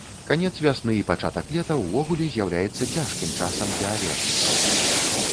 Канец вясны і пачатак лета ўвогуле з'яўляецца цяжкім часам для алергікаў.